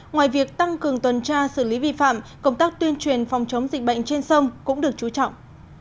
ngoài việc tăng cường tuần tra xử lý vi phạm công tác tuyên truyền phòng chống dịch bệnh trên sông cũng được chú trọng